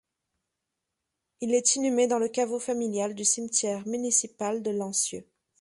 Il est inhumé dans le caveau familial du cimetière municipal de Lancieux.